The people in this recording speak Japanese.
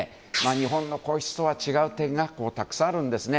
日本の皇室とは違う点がたくさんあるんですね。